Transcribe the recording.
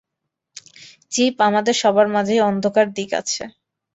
Chip, আমাদের সবার মাঝেই অন্ধকার দিক আছে।